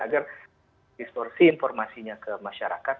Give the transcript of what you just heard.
agar distorsi informasinya ke masyarakat